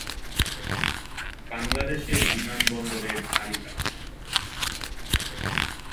বাংলাদেশের বিমানবন্দরের তালিকা